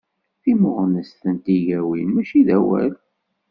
Timmuɣnest d tigawin mačči d awal.